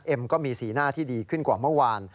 ก็มีสีหน้าที่ดีขึ้นกว่าเมื่อวาน